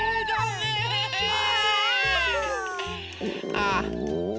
ああ。